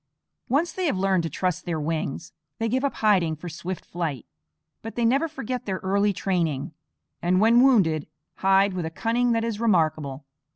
Once they have learned to trust their wings, they give up hiding for swift flight. But they never forget their early training, and when wounded hide with a cunning that is remarkable.